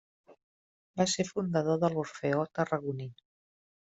Va ser fundador de l'Orfeó Tarragoní.